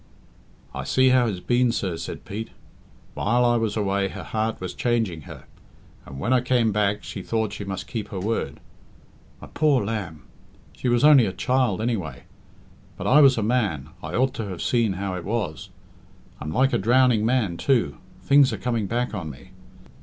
"I see how it's been, sir," said Pete. "While I was away her heart was changing her, and when I came back she thought she must keep her word. My poor lamb! She was only a child anyway. But I was a man I ought to have seen how it was. I'm like a drowning man, too things are coming back on me.